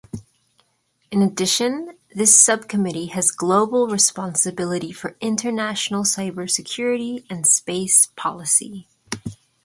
In addition, this subcommittee has global responsibility for international cybersecurity and space policy.